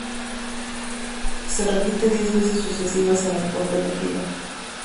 Se repite diez veces sucesivas en el punto elegido.